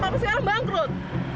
bapak sekarang bangkrut